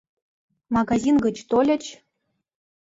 Магазин гыч тольыч.